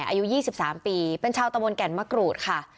อายุ๒๓ปีเป็นชาวตะบนแก่นมะกรูดค่ะ